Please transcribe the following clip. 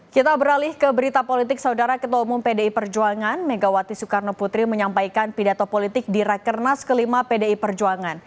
kita beralih ke berita politik saudara ketua umum pdi perjuangan megawati soekarno putri menyampaikan pidato politik di rakernas kelima pdi perjuangan